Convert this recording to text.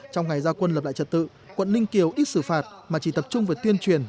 trong ngày gia quân lập lại trật tự quận ninh kiều ít xử phạt mà chỉ tập trung về tuyên truyền